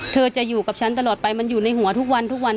เธอจะอยู่กับฉันตลอดไปมันอยู่ในหัวทุกวันทุกวัน